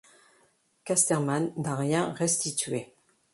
Casterman n’a rien restitué.